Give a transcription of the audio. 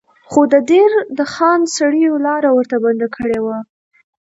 خو د دیر د خان سړیو لاره ورته بنده کړې وه.